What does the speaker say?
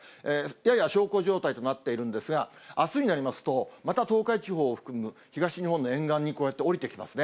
やや小康状態となっているんですが、あすになりますと、また東海地方を含む東日本の沿岸にこうやって降りてきますね。